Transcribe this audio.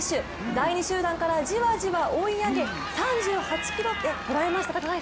第２集団からじわじわ追い上げ、３８ｋｍでとらえました。